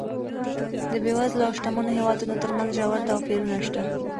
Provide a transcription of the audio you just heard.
د بېوزلو او شتمنو هېوادونو ترمنځ ژور توپیرونه شته.